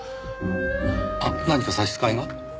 あっ何か差し支えが？